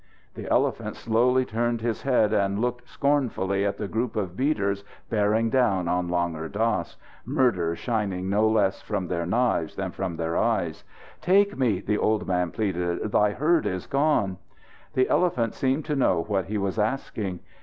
The elephant slowly turned his head and looked scornfully at the group of beaters bearing down on Langur Dass, murder shining no less from their knives than from their lighted eyes. "Take me," the old man pleaded; "thy herd is gone." The elephant seemed to know what he was asking.